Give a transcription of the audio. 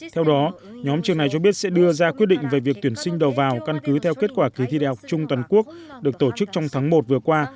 theo đó nhóm trường này cho biết sẽ đưa ra quyết định về việc tuyển sinh đầu vào căn cứ theo kết quả kỳ thi đại học trung toàn quốc được tổ chức trong tháng một vừa qua